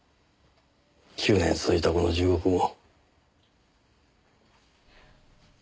９年続いたこの地獄も。